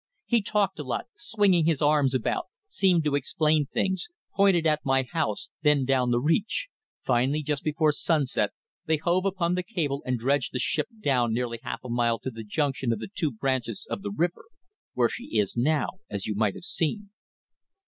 He talked a lot, swinging his arms about seemed to explain things pointed at my house, then down the reach. Finally, just before sunset, they hove upon the cable and dredged the ship down nearly half a mile to the junction of the two branches of the river where she is now, as you might have seen."